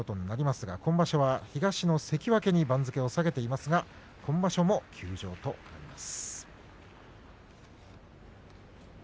今場所は東の関脇に番付を下げていますが今場所も休場ということになります。